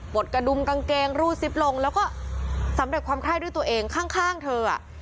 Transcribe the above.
ดกระดุมกางเกงรูดซิปลงแล้วก็สำเร็จความไข้ด้วยตัวเองข้างเธออ่ะ